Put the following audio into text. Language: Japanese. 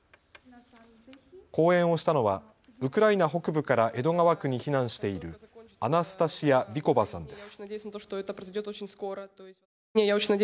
講演をしたのはウクライナ北部から江戸川区に避難しているアナスタシア・ヴィコヴァさんです。